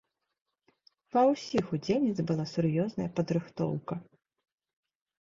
Ва ўсіх удзельніц была сур'ёзная падрыхтоўка.